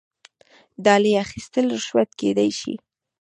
ډالۍ اخیستل رشوت کیدی شي